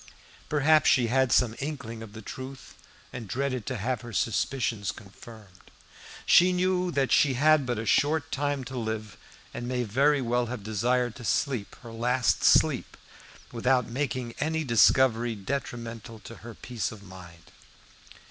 Perhaps she had some inkling of the truth, and dreaded to have her suspicions confirmed. She knew that she had but a short time to live, and may very well have desired to sleep her last sleep without making any discovery detrimental to her peace of mind.